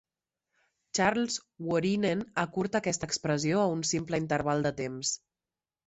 Charles Wuorinen acurta aquesta expressió a un simple interval de temps.